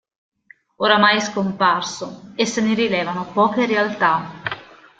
Ormai è scomparso e se ne rilevano poche realtà.